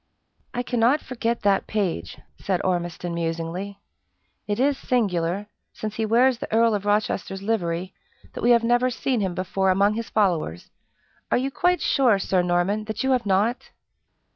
"I cannot forget that page," said Ormiston, musingly. "It is singular since, he wears the Earl of Rochester's livery, that we have never seen him before among his followers. Are you quite sure, Sir Norman, that you have not?"